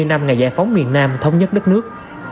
ngày giải phóng miền nam thống nhất đất nước